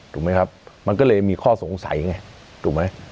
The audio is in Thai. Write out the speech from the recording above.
ถูกมั้ยครับมันก็เลยมีข้อสงสัยไงถูกมั้ย